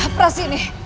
apa sih ini